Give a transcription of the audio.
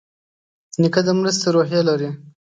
نیکه د مرستې روحیه لري.